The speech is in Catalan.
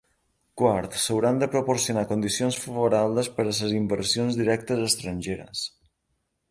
Quart, s'hauran de proporcionar condicions favorables per a les inversions directes estrangeres.